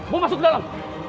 bawa masuk ke dalam